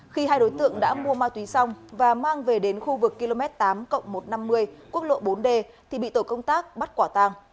khi hai đối tượng đã mua ma túy xong và mang về đến khu vực km tám một trăm năm mươi quốc lộ bốn d thì bị tổ công tác bắt quả tàng